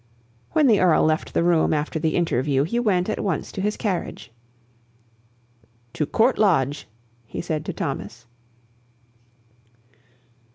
When the Earl left the room after the interview, he went at once to his carriage. "To Court Lodge," he said to Thomas.